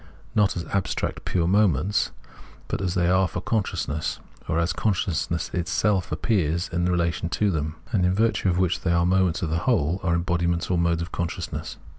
not as abstract pure moments, but as they are for consciousness, or as consciousness itself appears in its relation to them, and in virtue of which they are moments of the whole, are Bmbodiments or modes of consciousness.